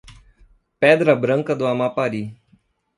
Pedra Branca do Amapari